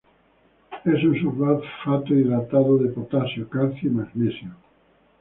Es un sulfato hidratado de potasio, calcio y magnesio.